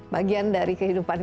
bagian dari kehidupan